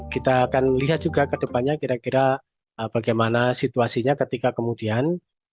kita akan lihat juga ke depannya kira kira bagaimana situasinya ketika kemudian